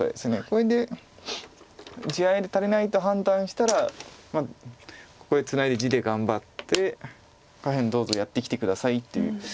これで地合いで足りないと判断したらまあここへツナいで地で頑張って下辺どうぞやってきて下さいっていう。